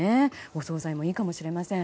お総菜もいいかもしれません。